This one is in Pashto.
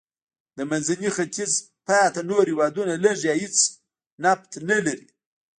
د منځني ختیځ پاتې نور هېوادونه لږ یا هېڅ نفت نه لري.